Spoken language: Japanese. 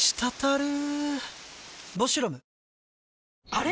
あれ？